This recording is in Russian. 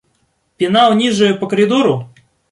Пенал ниже по коридору?